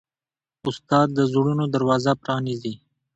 استاد د زړونو دروازه پرانیزي.